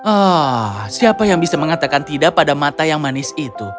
ah siapa yang bisa mengatakan tidak pada mata yang manis itu